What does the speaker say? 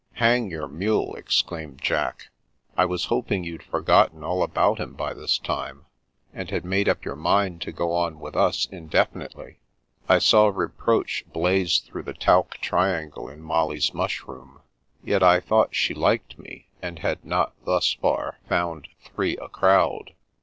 " Hang your mule !" exclaimed Jack. " I was hoping you'd forgotten all about him by this time, and had made up your mind to go on with us in definitely." I saw reproach blaze through the talc trian gle in Molly's mushroom. (Yet I thought she liked me, and had not, thus far, found "three a crowd.")